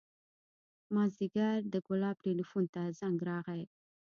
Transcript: مازديګر د ګلاب ټېلفون ته زنګ راغى.